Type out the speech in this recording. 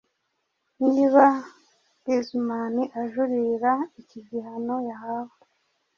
niba Guzman ajuririra iki gihano yahawe